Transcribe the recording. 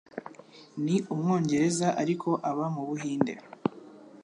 Ni umwongereza, ariko aba mu Buhinde.